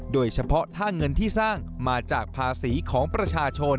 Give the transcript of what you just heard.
โดยเฉพาะถ้าเงินที่สร้างมาจากภาษีของประชาชน